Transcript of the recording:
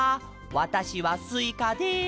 わたしはスイカです」。